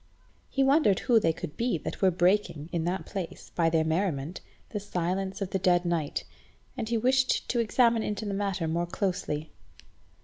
He wondered who they could be that were breaking in that place, by their merriment, the silence of the dead night, and he wished to examine into the matter more closely.